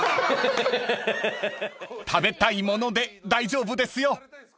［食べたいもので大丈夫ですよ］